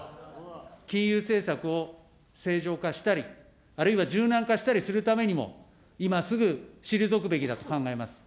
金融政策を正常化したり、あるいは柔軟化したりするためにも、今すぐ退くべきだと考えます。